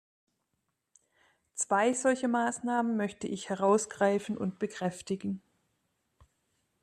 Zwei solcher Maßnahmen möchte ich herausgreifen und bekräftigen.